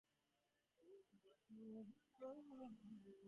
After Forsyth's death, Rapier became principal owner.